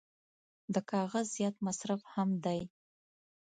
د کاغذ زیات مصرف هم دی.